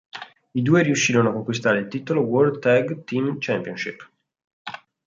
I due riuscirono a conquistare il titolo World Tag Team Championship.